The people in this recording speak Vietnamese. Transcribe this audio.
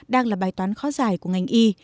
đang là bài toán khó giải của ngành y